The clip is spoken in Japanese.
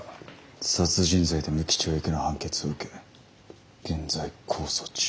殺人罪で無期懲役の判決を受け現在控訴中。